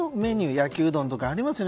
焼うどんとかありますよね。